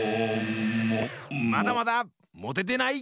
まだまだ！もててない！